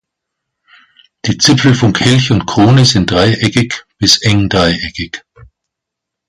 Die Zipfel von Kelch und Krone sind dreieckig bis eng dreieckig.